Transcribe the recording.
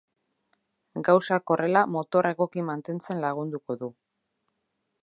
Gauzak horrela motorra egoki mantentzen lagunduko du.